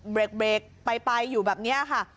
เบรกไปอยู่แบบนี้ค่ะ